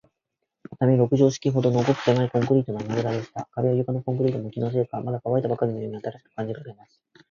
畳六畳敷きほどの、ごくせまいコンクリートの穴ぐらでした。壁や床のコンクリートも、気のせいか、まだかわいたばかりのように新しく感じられます。